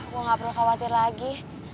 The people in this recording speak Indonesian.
gue gak perlu khawatir lagi